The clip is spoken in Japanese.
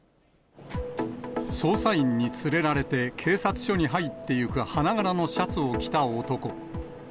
捜査員に連れられて、警察署に入っていく花柄のシャツを着た男。